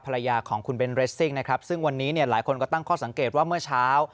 ภรรยาของคุณเบนเรสซิ่งนะครับซึ่งวันนี้เนี่ยหลายคนก็ตั้งข้อสังเกตว่าเมื่อเช้า